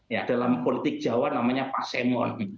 ya dalam politik jawa namanya pasemon